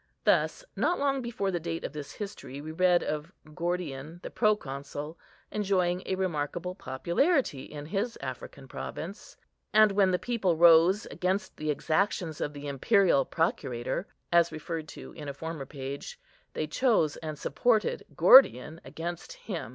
Thus, not long before the date of this history, we read of Gordian, the Proconsul, enjoying a remarkable popularity in his African province; and when the people rose against the exactions of the imperial Procurator, as referred to in a former page, they chose and supported Gordian against him.